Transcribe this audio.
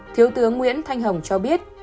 thiếu tướng nguyễn thanh hồng cho biết